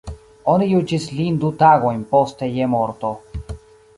Oni juĝis lin du tagojn poste je morto.